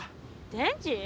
電池？